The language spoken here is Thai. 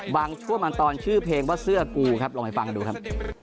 ช่วงบางตอนชื่อเพลงว่าเสื้อกูครับลองไปฟังดูครับ